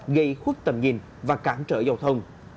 gây khuất tầm nhìn và cản trở giao thông